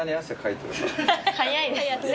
早いですね。